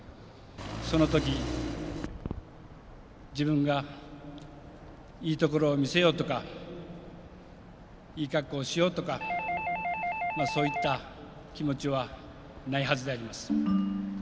そのとき自分がいいところを見せようとかいい格好をしようとかそういった気持ちはないはずであります。